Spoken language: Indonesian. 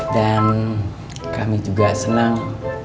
dan kami juga senang